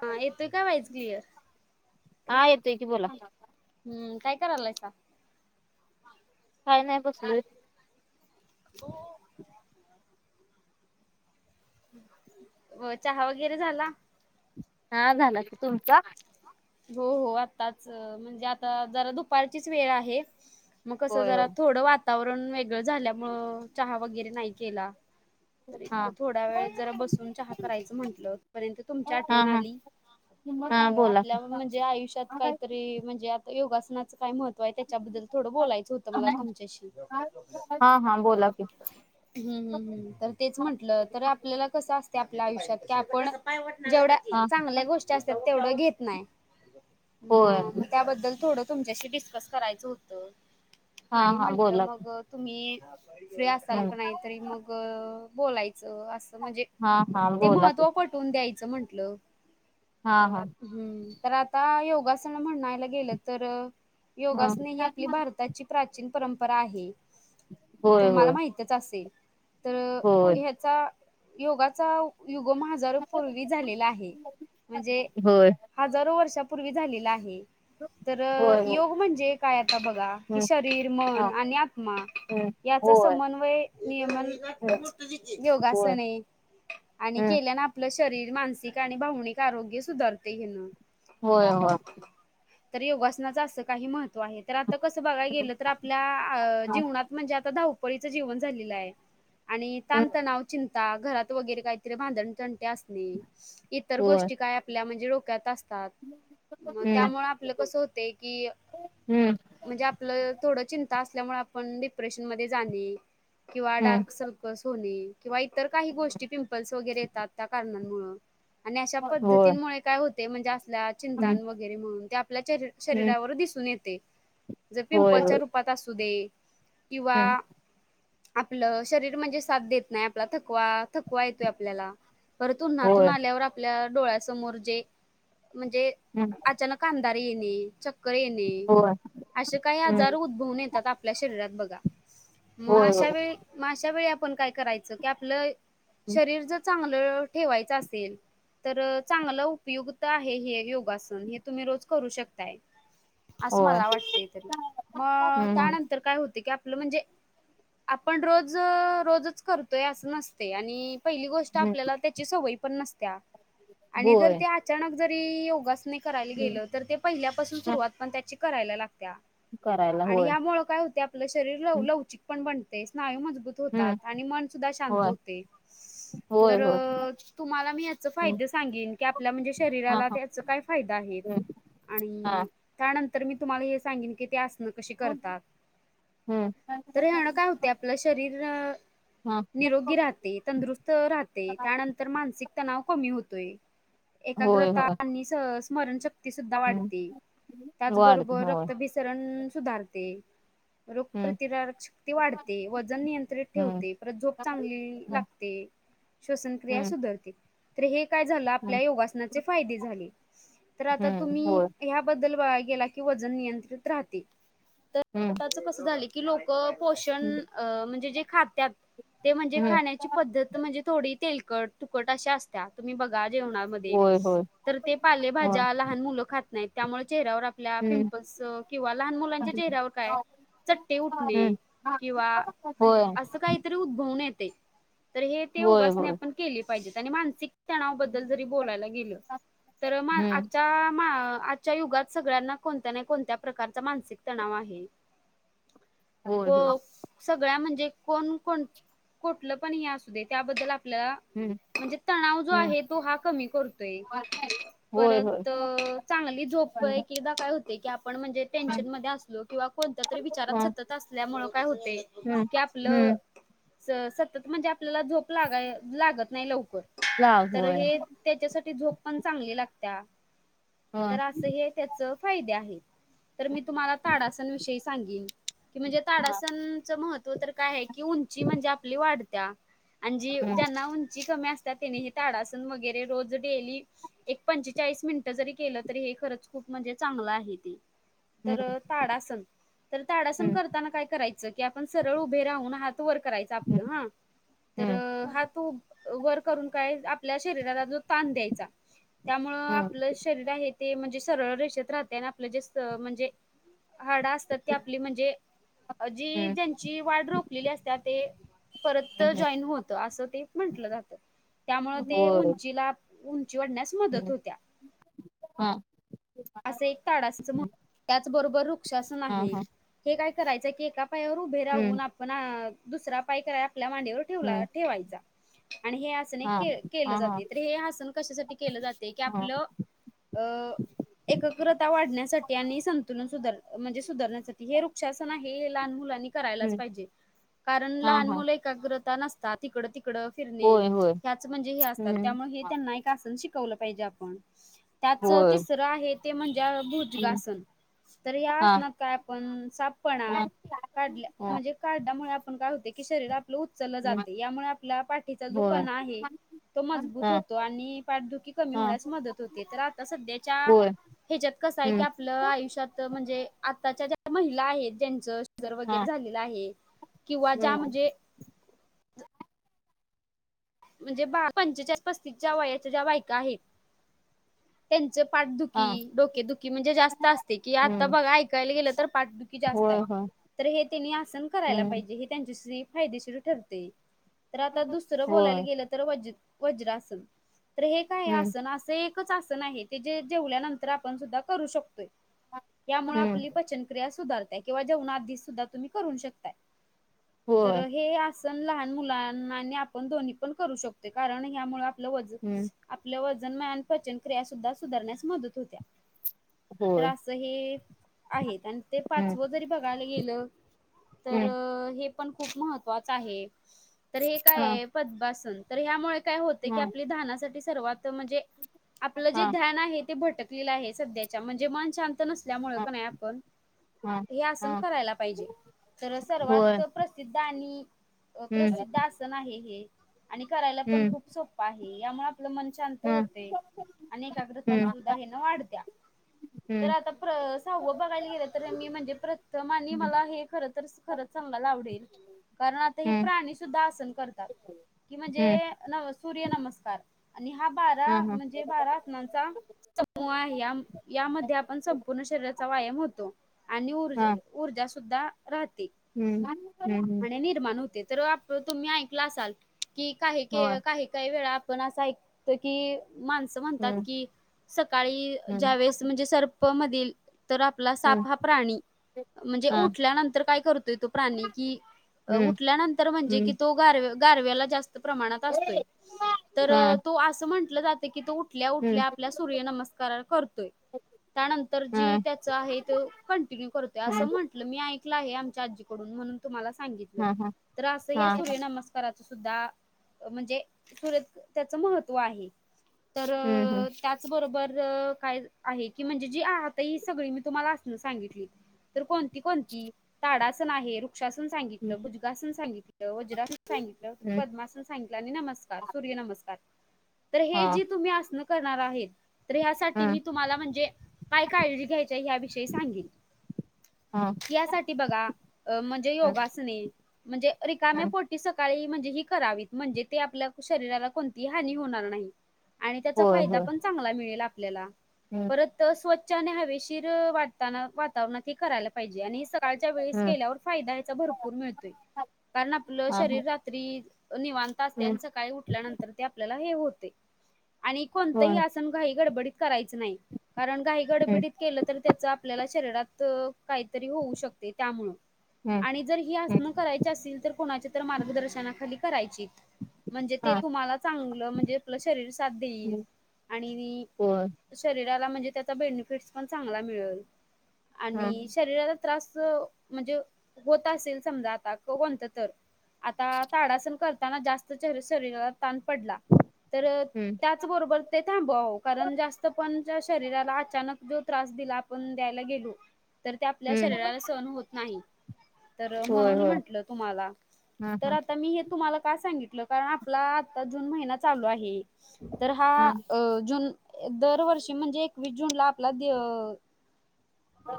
हा येतोय का वाईज क्लिअर हा येतोय की बोला. हम्म काय करालायसा. काय नाही बसून. व चहा वगैरे झाला. हा झाला की तुमचा. हो हो आत्ताच म्हणजे आता जरा दुपारचीच वेळ आहे. मग कसं होय जरा होय. थोडं वातावरण वेगळं झाल्यामुं चहा वगैरे नाही केला. तर हा एक थोडा वेळ जरा बसून चहा करायचं म्हंटलंपर्यंत तुमची हा आठवण हा आली हा आप बोला. की हा म्हणजे आयुष्यात काहीतरी म्हणजे आता योगासनाचं काय महत्व व हे त्याच्याबद्दल थोडं बोलायचं होतं मला तुमच्याशी. हा बोला की हम्म हम्म हम्म तर तेच म्हंटलं तर आपल्याला कस अस आपल्या आयुष्यात कि आपण जेवढ्या हा चांगल्या गोष्टी असतात तेवढ घेत नाही. होय मग मग त्याबद्दल थोडं तुमच्याशी डिस्कस करायचं होतं. हा आणि हा म्हंटलं बोला की मग तुम्ही फ्री असाल हम्म का नाहीतरी मग बोलायचं असं म्हणजे हा हा ते बोला की महत्व पटवून द्यायचं म्हंटलं. हा हा. हम्म तर आता योगासन म्हणायला गेलं तर ह योगासने ही आपली भारताची प्राचीन परंपरा आहे. होय तुम्हाला होय माहितच असेल. तर होय. ह्याचा योगाचा युगम हजारोपूर्वी झालेला आहे म्हणजे होय हजारो वर्षा पूर्वी झालेला आहे तर होय होय योग म्हणजे काय आता बघा कि हम्म शरीर हा मन आणि आत्मा हम्म याचा होय समन्वय नियमन होय होय योगासने आणि हम्म केल्यान आपलं शरीर मानसिक आणि भावनिक आरोग्य सुधारते हेन होय हो तर योगासनाचं असं काही महत्व तर आता कसं बघाय हम्म गेलं तर आपल्या हा जीवनात म्हणजे आता ाव ळीच जीवन झालेलं आहे आणि हम्म ताणतणाव चिंता घरात वगैरे काहीतरी भांधण इतर होय गोष्टी काय आपल्या म्ह ोक्यात असतात हम्म त्यामुळे आपलं कस होते की हम्म म्हणजे आपलं थोडं चिंता ल्यामुळे आपण प्रेशन म किंवा हम्म डार्क सर्क हो किंवा इतर काही गोष्टी पिंपल्स वगैरे येतात त्या कारणांमुळे आणि अशा होय पद्धतींमुळे काय म्हणजे आपल्या हम्म चिंतान वगैरे म्हणून आपल्या हम्म शरीरावर दिसून येते जर होय पिंपलच्या होय रूपात असू दे कवा आपलं शरीर म्हणजे साथ देत नाही आपला थकवा थकवा येतोय आपल्याला परत उन्हातून होय आल्यावर आपल्या डोळ्यासमोर जे म्हणजे अचानक दरने च येणे होय असे काही आजार उद्भवून येतात आपल्या शरीरात बघा मग होय अशा वेळी मग अशा वेळी आपण काय करायचं की आपलं होय शरीर जर चांगलं ठेवा असे तर चांग उपयुक्त आहे हे योगासन हे तुम्ही रोज करू शकताय असं होय मला वाटत तरी मग हम्म त्यानंतर काय होते की आपलं म्हणजे आपण रोज रोजच करतोय असं नसते आणि पहिली गोष्ट हम्म आपल्याला त्याची सवयी पण नसत्या आणि जर होय ते अचानक जरी योगासने करायला गेलं तर ते पहिल्यापासून सुरुवात पण त्याची करायला लागते करायला आणि होय या्यामुळेळ काय होते आपलं शरीर ल लवचिक पण बनते स्नायू म होतात हम्म आणि मन सुद्धा शांत होय होते होय तर होय तुम्हाला मी याच हम्म फायदे सांगेन ण का हा हा फा हा नंतर मी तुम्हाला हे सांगेन की ते असणं कशी हम्म करतात तर हेण काय होते आपलं शरीर हा निरोगी राहते तंदुरुस्त राहते त्यानंतर मानसिक तणाव कमी होतोय होय एकाग्रता होय स्मरण शकती सुद्धा हम्म वाढते वाढते त्याचबरोबर होय रक्तभिसरण सुधारते रोग हम्म प्र्रतिरक शक्ती वाढते वजन नियंत्रित हम्म ठेवते परत झोप चांगली लागते श्वसनक्रिया हम्म सुधरतील हे काय झालं हम्म आपल्या योगासनाचे फायदे झाले तर आता हम्म तुम्ही होय हबद्ल क वन नि्रित राह हम्म कस झा की लोक ो म्हणजे ख म्हणे हम्म खची पद् म्हणजे डी तुकट अशा असत्या तम् बघा होय होय तर ते होय पालेभाज्या लहान मुलं खात नाहीत त्यामुळे चेहऱ्यावर आपल्या हम्म पिंपल्स किंवा लहान मुलांच्या हम्म. चेहऱ्यावर काय चट्टे उठणे किंवा होय असं काहीतरी उद्भवणे य तर हे होय उपासना होय. आपण केली पाहिजे त्याने मानसिकता बोलायला गे तर आ हम्म च्या युगात सगळ्यांना कोणत्या ना कोणत्या प्रकारचा मानसिक तणाव आहे होय को होय सग म्हणजे कोठलं पण अस दे त्याबद्दल आप हम्म म्हणजे तणाव जो हम्म. आहे तो हा कमी करतोय होय होय परत चांगली झो काय हम्म होते की आपण म्हणजे टेन्शन म असलोिं कोण तरी विचारात हम्म सतत असल्यामुळे काय होते की आपलं हम्म सतत म्हणजे आपल्याला झोप लागाय लागत नाही लवकर लाव तर होय हे त्याच्यासाठी झोप पण चांगली लागत होय तर असं हे त्याच फायदे आहे तर मी तुम्हाला ताडासणविषयी सांगेन कि म्हणजे हम्म ताडासणच महत्त्व तर काय आहे की उंची म्हणजे आपली वाढत्या आणि जी हम्म ज्यांना उंची कमी असतात त्यांनी हे ताडासन वगैरे रोज डेली एक पंचेचाळीस मिनिट जरी केलं तरी हे खरच खूप म्हणजे चांगलं आहे ते हम्म तर ताड असल तर ताडासण करताना काय करायचं की आपण सरळ उभे राहून हात वर करायचं आपलं हम्म हा तर हम्म हा तो वर आपल्या शरी ताण द्याय त्यामुळे हम्म आपल्या शरीर या आप शरी रआहे म्हण सळर रेषेत राहतआपलं जास् म्हणजे हाडा असतात ती आपली म्हणजे जी हम्म ज्यांची वाढ रोपलेली असत ते परत हम्म जॉईन होत अस ते म्हंटलं जातं त्यामुळे ते होय उंचीला जिवडण्यास मदत हम्म होत्या हा असं एक ताडसाच म्ह त्याचबरोबर वृक्षासन हा आहे हा. हे काय करायचं की ए पायावर उभे हम्म राहून आपण दुसरा पाय कराय आपल्या मांडीवर ठेवला हम्म ठेवायचा आणि हे आसन हा एक केलं हा हा जाते तर हे आसन कशासाठी केलं जाते की हा आपलं अ एकग्रता वाढण्यासाठी आणि संतुलन सुधार म्हणजे सुधारण्या हेक्षन आहे लहान मुलांनी करायलाच हम्म. पाहिजे कारण हा लहान हा. मुलं एकाग्र नतात तिकड तिकड फिरणे होय होय हच म्हणजे हे असतात हम्म त्यामुळे हे त्यांना एक आन शिक पाजे आपण त्याच होय तिसं आहे ते म्हणजे हम्म. भुजगासन तर हा याना काय आपण सापपणा काढल्या हा. म्हणजे काढल्यामुळे आपण काय होते की शरीर आप उचललं जाते यामुळे आपला पाठीचा जो होय कणा आहे तो मजबूत हा होतो आणि पाठदुखी कमी हा होण्यास मदत होते तर आता सध्याच्या होय ह्याच्यात कस आहे की हम्म आपलं आयुष्यात म्हणजे आताच्या ज्या महिला आहेत ज्यांच र हा वगैरे झालेला आहे किंवा ज्या हम्म म्हणजे म्हणजे बा पंचा पस्तीसच्या वयाच्या ज्या बायका आहेत त्यां हा पाठदुखी डोकेदुखी म्हणजे जास्त असते कि आता हम्म बघा ऐकायला गेलं तर पाठदुखी जास्त आहे होय होय तर हे त्यांनी आसन करायला हम्म पाहिजे हे त्यांचीशी्री फायदेशीर ठरते तर आता दुसरं बोलायला होय गेलं तर वज वज्र असल तर हे काय हम्म आसन असं एकच आसन आहे ते जे जेवल्यानंतर आपण सुद्धा करू शकतोय यामुळे आपली हम्म पचनक्रिया सुधारताय किंवा जेवणा आधी सुद्धा तुम्ही करू शकताय तर होय हे आसन लहान मुलां आपण दोन्ही पण करू शकतो कारण हमुळे आप वन हम्म आपलं वजन पचन क्रिया सुद्धा सुधारण्यास मदत होत्या होय तर असं हे आहेत आणि ते हम्म पाचव जरी बघायला गेलं तर हम्म हे पण खूप महत्त्वा आहे तर हे हा काय पभ तर हमुळे का हा आप ध्याना सर्व म्हणजे आपलं जे हा ध्यान आहे ते भ आहे सध्याच्या म्हणजे मन शांत नसल्यामुळे हा का नाही आपण हा हे आसन हा करायला पाहिजे तर होय सर्वात प्रसिद्ध आणि अ हम्म प्रसिद्ध आसन आहे हे आणि करायला पण हम्म खूप सोप्पं आहे यामुळे आपलं मन शांत हा होते आणि एकाग्रता हम्म सुद्धा घण वाढत्या तर हम्म आता स बघायला गे तर मी म्हणजे प्रथ हम्म मला हे खर खर आवल कारण आता हे हम्म प्राणी सुद्धा आसन करतात कि हम्म म्हणजे न सूर्य नमस्कार आणि हा बारा म्हणजे बारा आत्मांचा समूह यामध्ये आपण संपूर्ण शरीराचा व्यायाम होतो आणि ऊर्ज हा ऊर्जा सुद्धा राहते हम्म हम्म आणि निर्माण होते तर आप तुम्ही ऐकलं असाल की काही होय काही काही वेळा आपण असं ऐकतो की माणसं म्हणतात हम्म की सकाळी हम्म ज्यावेेळेस म्हणजे सर्प मधील तर आपला हम्म साप हा प्राणी म्हणजे हा उठल्यानंतर काय करतोय तो प्राणी कि हम्म उठल्यानंतर म्हणजे की हम्म तो गार गव जास्त प्रात असतोय तर हा तो अस म्हट जात की त उठल्या हम्म उठल्या आपल्या सूर्य नमस्कार करतोय त्यानंतर हा जी त्याच आहे कंटिन्यू करतोय हम्म असं म्हंटलं मी ऐकलं आहे त हा हा हा सुद्धा म्हणजे सुरत त्याच महत्व आहे तर हम्म हम्म त्याचबरोबर ण स तण कोणती ताडासन आहे वृक्षासन हम्म सांगितलं भुजगासन सांगितलं वज्रासून सांगितलं हम्म नर् नमकार हा ज तुम् अस करणार आहेत तर ह्यासाठी मी हम्म तुम्हाला म्हणजे काय काळजी घ्यायचीय याविषयी सांगेन हा यासाठी बघा म्हणजे हम्म योगासने म्हणजे रिकाम्या पोट म्हणजे ही करावी म्हणजे ते आपल्या शरीराला कोणतीही हानी होणार नाही आणि त्याचा होय फायदा होय पण चांगला मिळेल आपल्याला हम्म परत स्व हवेशीर वाताना वातावरणात हे करायला पाहिजे आणि सक सकाळच्या वेळेस हम्म केल्यावर फायदा ह्याचा भरपूर मिळतोय कारण आपलं हा शरीर रात्री निवांत असतय हम्म आन सकाळी उठल्यानंतर ते आपल्याला हे होतय आणि कोणतंही होय आसन घाई गडबडीत करायच नाही कारण काही हम्म गडबडीत केलं त त्याच आपल्याला शरीरात अ काहीतरी होऊ शकते त्यामुळ हम्म आणि जर ही हम्म आसन करायची असतील तर कोणाच्या मार्गदर्शना खाली करायची म्हणजे ते हा तुम्हाला चांगलं म्हणजे आपलं शरीर साथ देईल हम्म आणि होय शरीर राला म्हणजे त्याचा बेनिफीटस पण चांगला मिळल हा आणि शरीराला त्रास म्हणजे होत असेल समजा आता तो कोणत तर आता ताडासन करताना जास्त चर शरीराला ताण पडला तर हम्म त्याचबरोबर ते थांबवावं कारण जास्त पणच्या शरीराला अचानक जो त्रास दिला आपण द्यायला गेलो तर ते आपल्या हम्म शरीराला सहन होत नाही तर होय म्हणून होय म्हंटलं तुम्हाला हा तर हा आता मी हे तुम्हाला काय सांग तल कारण आपला आत्ता जून महिना चालू आहे तर हा अ जून दरवर्षी म्हणजे एकवीस जूनला आपला दि अ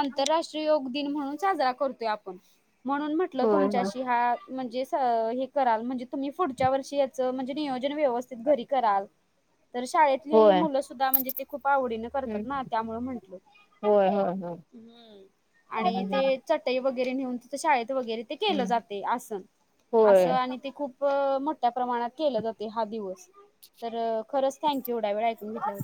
आंतरराष्ट्रीय योग दिन म्हणून साजरा करतोय आपण म्हणून म्हटलं होय होय तुमच्याशी हा म्हणजे स हे कराल म्हणजे तुम्ही पुढच्या वर्षी याच म्हणजे नियोज व्यवस्थित घरी कराल तर शाळेतली होय मुलं सुद्धा म्हणजे ते खूप आवडीने करतात ना त्यामुळ म्हंटल होय होय होय होय ह्म आणि ते हम्म चटई वगैरे नेऊन तित शाळेत वगैरे ते केल हम्म जातय अस अस होय आनि ते खूप मोठ्या प्रमाणात केलं जाते हा दिवस तर खरंच थँक्यू एवढा वेळ ऐकून घेतल्या